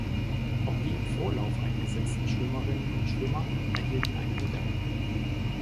Auch die im Vorlauf eingesetzten Schwimmerinnen und Schwimmer erhielten eine Medaille.